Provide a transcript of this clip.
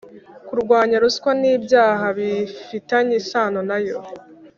kurwanya ruswa n’ibyaha bifitanye isano nayo